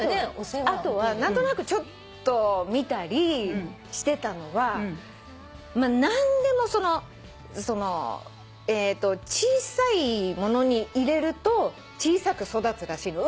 あとは何となくちょっと見たりしてたのは何でもその小さい物に入れると小さく育つらしいの。